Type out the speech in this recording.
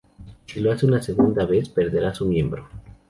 Y si lo hace una segunda vez, perderá su miembro.